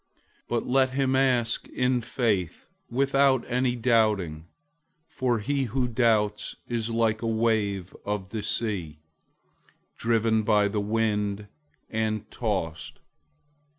001:006 But let him ask in faith, without any doubting, for he who doubts is like a wave of the sea, driven by the wind and tossed.